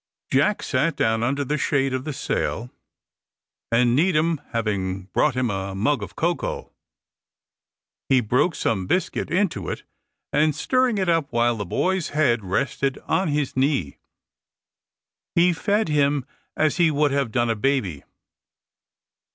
Jack sat down under the shade of the sail, and Needham having brought him a mug of cocoa, he broke some biscuit into it, and stirring it up while the boy's head rested on his knee, he fed him as he would have done a baby.